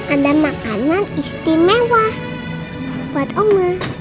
ada makanan istimewa buat allah